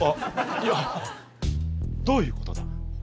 いやどういうことだ？